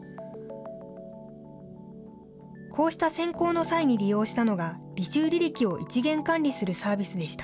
こうした選考の際に利用したのが、履修履歴を一元管理するサービスでした。